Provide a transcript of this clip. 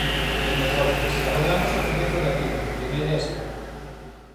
En Deportes, abordamos o comezo da Liga en primeira e segunda.